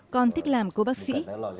con thích làm cô bác sĩ